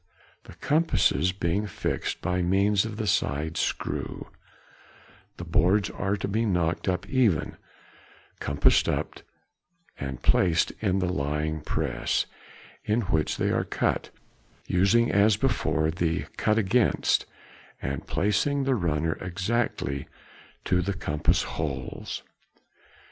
The compasses being fixed by means of the side screw, the boards are to be knocked up even, compassed up, and placed in the lying press, in which they are cut, using, as before, the "cut against," and placing the runner exactly to the compass holes.